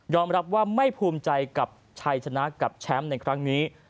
รับว่าไม่ภูมิใจกับชัยชนะกับแชมป์ในครั้งนี้